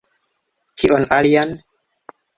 Kion alian?